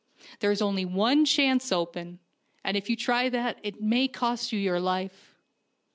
There is only one chance open, and if you try that it may cost you your life."